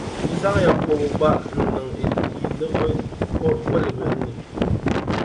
di zaŋya kɔbo gba n-niŋ yi liɣiri kolibihi ni.